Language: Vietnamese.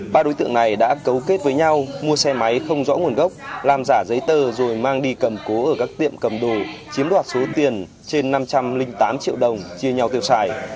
ba đối tượng này đã cấu kết với nhau mua xe máy không rõ nguồn gốc làm giả giấy tờ rồi mang đi cầm cố ở các tiệm cầm đồ chiếm đoạt số tiền trên năm trăm linh tám triệu đồng chia nhau tiêu xài